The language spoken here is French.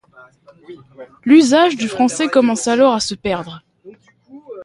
L'usage du français commence alors à se perdre.